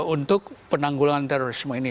untuk penanggulan terorisme ini